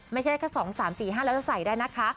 ไม่ใช่แค่๒๓๔๕แล้วจะใส่ได้นะคะ